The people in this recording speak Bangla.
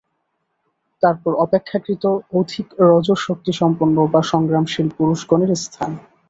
তারপর অপেক্ষাকৃত অধিক রজঃশক্তিসম্পন্ন বা সংগ্রামশীল পুরুষগণের স্থান।